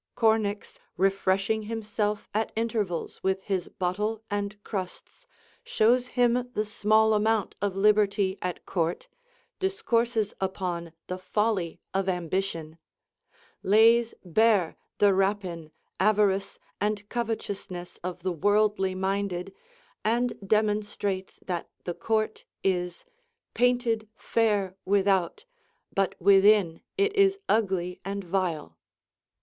Cornix, refreshing himself at intervals with his bottle and crusts, shows him the small amount of liberty at court, discourses upon the folly of ambition, lays bare the rapine, avarice, and covetousness of the worldly minded, and demonstrates that the court is "painted fair without, but within it is ugly and vile."